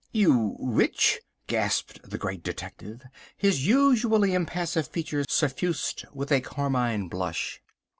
"You which?" gasped the Great Detective, his usually impassive features suffused with a carmine blush.